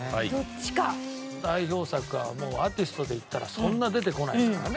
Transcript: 代表作がアーティストでいったらそんな出てこないですからね。